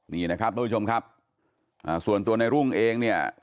นี่นะครับทุกผู้ชมครับส่วนตัวในรุ่งเองเนี่ย